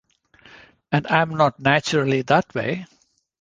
And I'm not naturally that way.